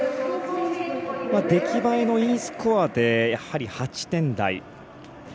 出来栄えのＥスコアで８点台。